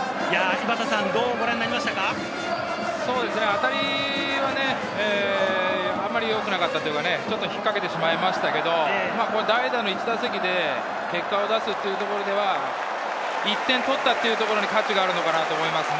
当たりはね、あんまり良くなかったというか、引っかけてしまいましたけれど、代打の１打席で結果を出すというところでは１点取ったところに価値があるのかと思います。